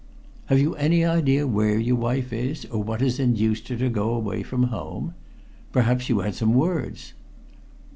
"Have you any idea where your wife is, or what has induced her to go away from home? Perhaps you had some words!"